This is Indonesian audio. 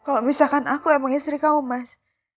kalau misalkan aku emang istri kamu mas